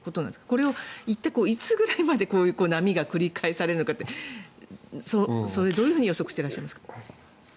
これを一体いつぐらいまで波が繰り返されるのかってどう予測してらっしゃいますか。